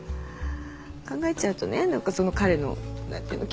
考えちゃうとね何かその彼の何ていうの？